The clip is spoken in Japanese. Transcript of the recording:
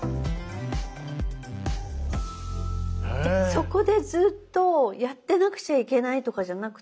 そこでずっとやってなくちゃいけないとかじゃなくて。